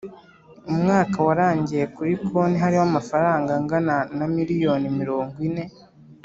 Umwaka warangiye kuri konti hariho amafaranga angana na miliyoni mirongo ine